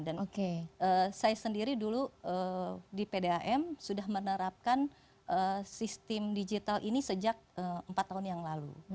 dan saya sendiri dulu di pdam sudah menerapkan sistem digital ini sejak empat tahun yang lalu